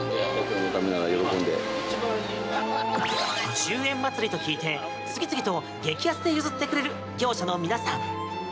１０円まつりと聞いて次々と激安で譲ってくれる業者の皆さん。